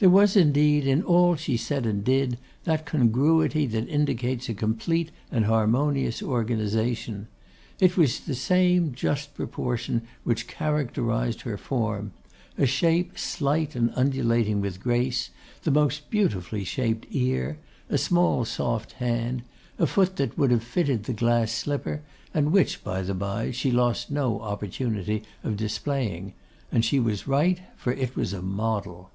There was, indeed, in all she said and did, that congruity that indicates a complete and harmonious organisation. It was the same just proportion which characterised her form: a shape slight and undulating with grace; the most beautifully shaped ear; a small, soft hand; a foot that would have fitted the glass slipper; and which, by the bye, she lost no opportunity of displaying; and she was right, for it was a model.